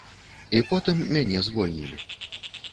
І потым мяне звольнілі.